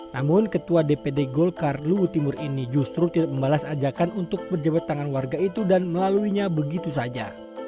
namun ketua dpd golkar luhut timur ini justru tidak membalas ajakan untuk berjabat tangan warga itu dan melaluinya begitu saja